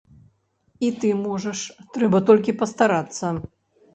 І ты можаш, трэба толькі пастарацца.